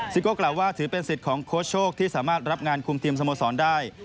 โก้กล่าวว่าถือเป็นสิทธิ์ของโค้ชโชคที่สามารถรับงานคุมทีมสโมสรได้